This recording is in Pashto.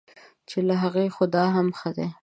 چې له هغوی خو دا هم ښه دی.